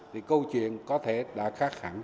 thì câu chuyện có thể đã khác hẳn